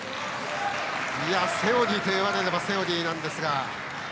セオリーといわれればセオリーなんですが。